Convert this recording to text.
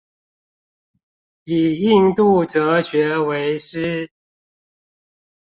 以印度哲學為師